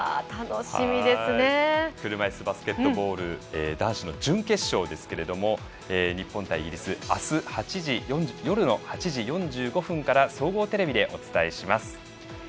車いすバスケットボール男子準決勝ですが日本対イギリスあす夜の８時４５分から総合テレビでお伝えします。